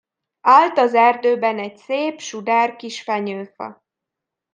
Állt az erdőben egy szép, sudár kis fenyőfa.